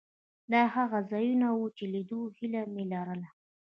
دا هغه ځایونه وو چې د لیدو هیله مې لرله.